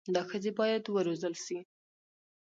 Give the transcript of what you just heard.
دا ښځي بايد و روزل سي